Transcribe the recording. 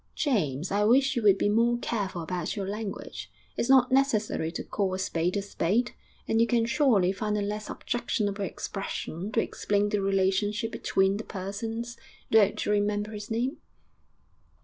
'James, I wish you would be more careful about your language. It's not necessary to call a spade a spade, and you can surely find a less objectionable expression to explain the relationship between the persons.... Don't you remember his name?'